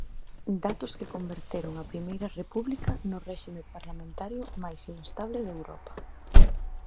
Datos que converteron a Primeira República no réxime parlamentario máis inestable de Europa.